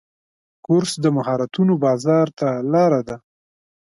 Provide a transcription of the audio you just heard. کورس د مهارتونو بازار ته لاره ده.